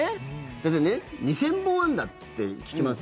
だってね、２０００本安打って聞きます。